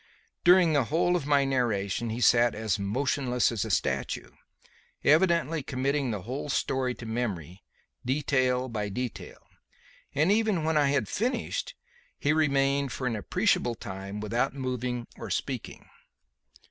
During the whole of my narration he sat as motionless as a statue, evidently committing the whole story to memory, detail by detail; and even when I had finished he remained for an appreciable time without moving or speaking.